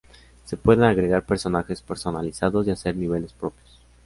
Se pueden agregar personajes personalizados y hacer niveles propios.